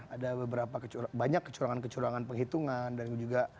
ada beberapa banyak kecurangan kecurangan penghitungan dan juga